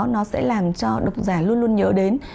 nó sẽ làm cho độc giả luôn luôn nhớ đến